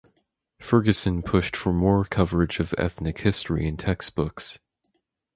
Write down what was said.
Ferguson pushed for more coverage of ethnic history in textbooks.